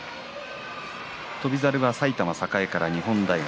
翔猿は埼玉栄から日本大学。